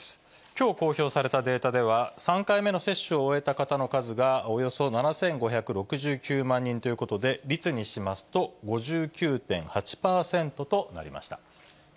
きょう公表されたデータでは、３回目の接種を終えた方の数が、およそ７５６９万人ということで、率にしますと５９．８％となりました。